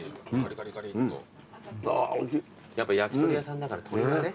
やっぱ焼き鳥屋さんだから鶏がね。